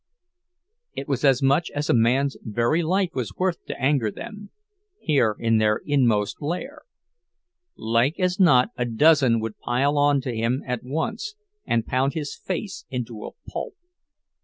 It was as much as a man's very life was worth to anger them, here in their inmost lair; like as not a dozen would pile on to him at once, and pound his face into a pulp.